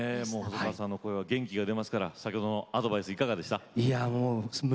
細川さんの声は元気が出ますから先ほどのアドバイスはいかがでしたか？